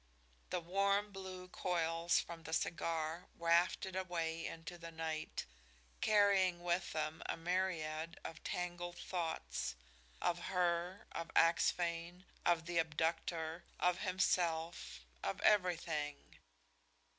The warm, blue coils from the cigar wafted away into the night, carrying with them a myriad of tangled thoughts, of her, of Axphain, of the abductor, of himself, of everything.